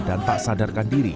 dan tak sadarkan diri